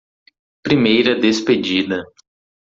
Primeira despedida